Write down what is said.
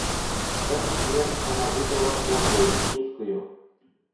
Даже смерть она выбрала подлую, низкую.